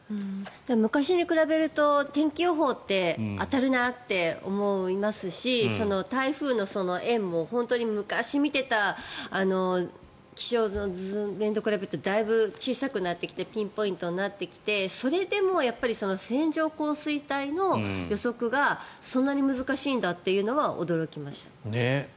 昔に比べると天気予報って当たるなって思いますし台風の円も本当に昔見ていた気象の図面と比べるとだいぶ小さくなってきてピンポイントになってきてそれでも線状降水帯の予測がそんなに難しいんだというのは驚きました。